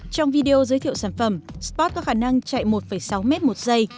trong video giới thiệu sản phẩm sport có khả năng chạy một sáu m một giây